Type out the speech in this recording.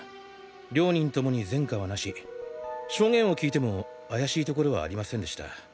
両人ともに前科はなし証言を聞いても怪しい所はありませんでした。